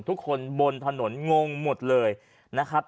ทุกคนบนถนนงงหมดเลยนะครับ